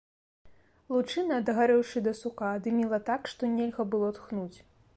Лучына, дагарэўшы да сука, дыміла так, што нельга было тхнуць.